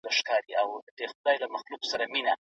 پروګرامونه بايد د هيواد پر ملي ارزښتونو ولاړ وي.